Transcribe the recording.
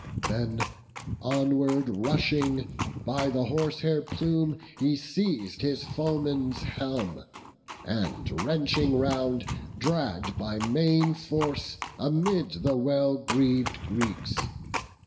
Then onward rushing, by the horsehair plume He seiz'd his foeman's helm, and wrenching round Dragg'd by main force amid the well greav'd Greeks.